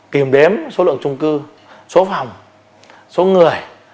kiểm đếm số lượng trung cư số phòng số người